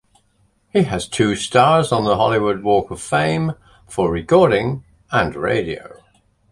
He has two stars on the Hollywood Walk of Fame; for recording and radio.